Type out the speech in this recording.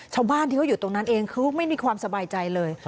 ชาวบ้านที่เขาอยู่ตรงนั้นเองคือไม่มีความสบายใจเลย